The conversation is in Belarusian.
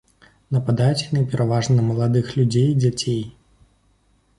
Нападаюць яны пераважна на маладых людзей і дзяцей.